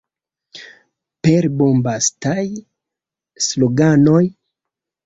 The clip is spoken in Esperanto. Per bombastaj sloganoj?